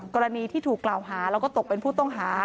กรณีที่ถูกกล่าวหาแล้วก็ตกเป็นผู้ต้องหา